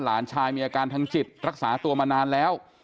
หลานชายมีอาการทางจิตรักษาตัวมานานแล้ว